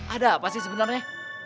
ada apa sih sebenarnya